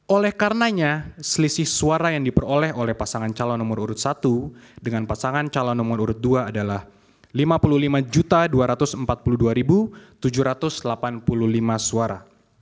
oleh karenanya selisih suara yang diperoleh oleh pasangan calon nomor urut satu dengan pasangan calon nomor urut dua adalah lima puluh lima dua ratus empat puluh dua tujuh ratus delapan puluh lima suara